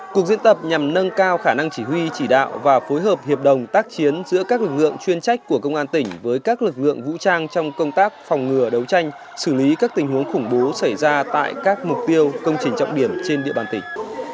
cuộc diễn tập nhằm nâng cao khả năng chỉ huy chỉ đạo và phối hợp hiệp đồng tác chiến giữa các lực lượng chuyên trách của công an tỉnh với các lực lượng vũ trang trong công tác phòng ngừa đấu tranh xử lý các tình huống khủng bố xảy ra tại các mục tiêu công trình trọng điểm trên địa bàn tỉnh